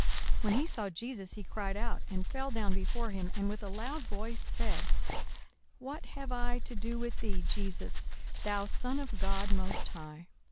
42:008:028 When he saw Jesus, he cried out, and fell down before him, and with a loud voice said, What have I to do with thee, Jesus, thou Son of God most high?